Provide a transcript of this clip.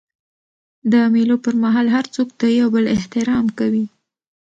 د مېلو پر مهال هر څوک د یو بل احترام کوي.